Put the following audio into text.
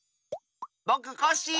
ぼくコッシー！